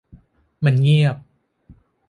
มันเงียบ